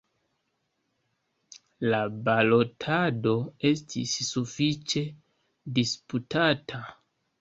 La balotado estis sufiĉe disputata.